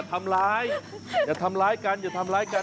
ทำร้ายอย่าทำร้ายกันอย่าทำร้ายกัน